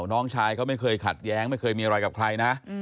น้องชายเขาไม่เคยขัดแย้งไม่เคยมีอะไรกับใครนะ